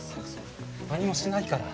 何もしないから。